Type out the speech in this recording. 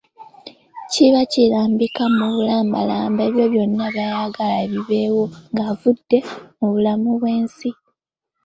Kiba kirambika mu bulambalamba ebyo byonna by'ayagala bibeewo ng'avudde mu bulamu bw'ensi.